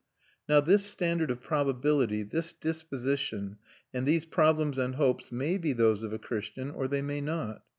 Now this standard of probability, this disposition, and these problems and hopes may be those of a Christian or they may not.